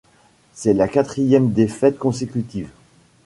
C'est la quatrième défaite consécutive.